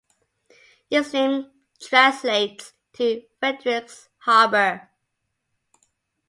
Its name translates to "Frederik's harbour".